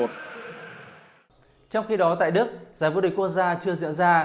trong khi đó tại đức giải vô địch quốc gia chưa diễn ra